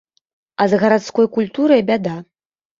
А з гарадской культурай бяда.